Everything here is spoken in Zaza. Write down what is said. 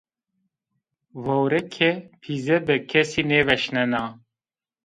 Vewrike pîze bi kesî nêveşnena